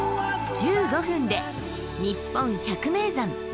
１５分で「にっぽん百名山」。